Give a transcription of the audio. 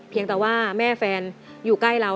แต่ว่าแม่แฟนอยู่ใกล้เรา